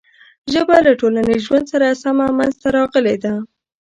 ژبه له ټولنیز ژوند سره سمه منځ ته راغلې ده.